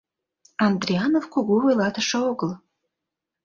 Андрианов кугу вуйлатыше огыл.